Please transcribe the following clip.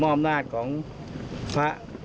ม่ออมนาฎของพระ